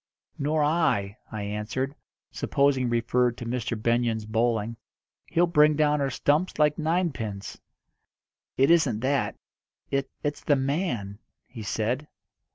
"Nor I," I answered, supposing he referred to Mr. Benyon's bowling. "He'll bring down our stumps like ninepins." "It isn't that. It it's the man," he said.